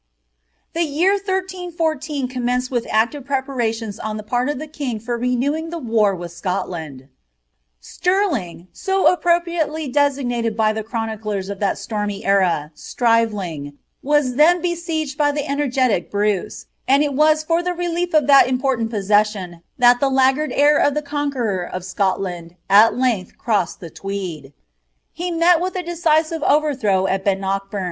The year 1314 commeDccd with aeiiTe preparations on the pmnf the kioj^ for renewing the war with Scotland ' Stirling, so appropniidf designated by the chroniclers of that stormy era, SiritreliTig, wa« thai besieged by the energetic Bruce, and it was for the relief of Uiai unpon BQt posseiision tlial the laggard heir of the conqueror of Scotlcotl U length crossed the Tweed. He met with a decisive overthrow at Bu* Dockbum.